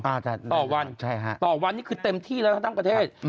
อ่าจัดใช่ฮะต่อวันต่อวันนี้คือเต็มที่แล้วทั้งประเทศ